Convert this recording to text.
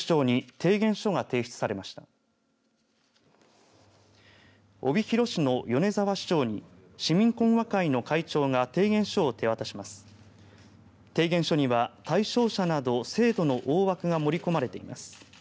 提言書には対象者など制度の大枠が盛り込まれています。